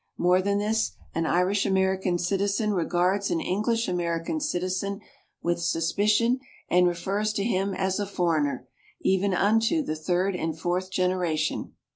More than this, an Irish American citizen regards an English American citizen with suspicion and refers to him as a foreigner, even unto the third and fourth generation.